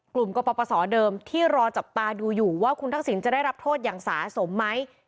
กปศเดิมที่รอจับตาดูอยู่ว่าคุณทักษิณจะได้รับโทษอย่างสาสมไหม